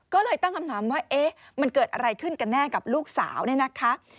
ก็เลยตั้งคำถามว่าเอ๊ะมันเกิดอะไรขึ้นกันแน่กับลูกสาวเนี่ยนะคะ